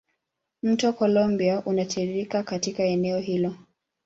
Mto Columbia unatiririka katika eneo hilo.